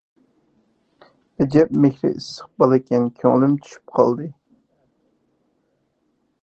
ئەجەب مېھرى ئىسسىق بالىكەن، كۆڭلۈم چۈشۈپ قالدى.